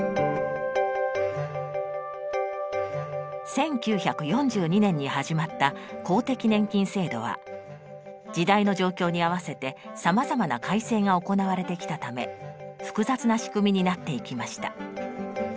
１９４２年に始まった公的年金制度は時代の状況に合わせてさまざまな改正が行われてきたため複雑な仕組みになっていきました。